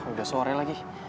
udah sore lagi